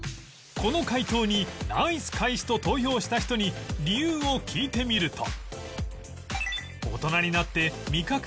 この回答にナイス返しと投票した人に理由を聞いてみると